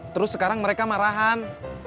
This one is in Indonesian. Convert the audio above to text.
terus sekarang mereka marahan